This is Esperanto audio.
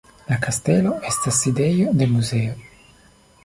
La kastelo estas sidejo de muzeo.